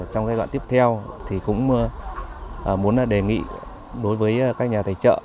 trong giai đoạn tiếp theo thì cũng muốn đề nghị đối với các nhà tài trợ